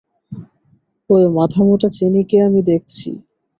ওই মাথামোটা চেনিকে আমি দেখছি।